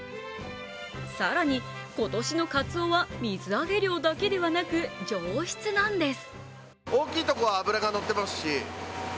更に、今年のかつおは水揚げ量だけではなく上質なんです。